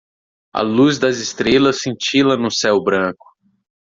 A luz das estrelas cintila no céu branco